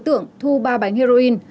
thu ba bánh heroin